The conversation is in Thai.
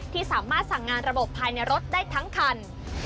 ที่สามารถสั่งงานระบบภายในรถได้ทั้งคัน